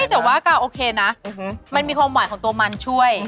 แต่ว่ากาโอเคนะมันมีความหวานของตัวมันช่วย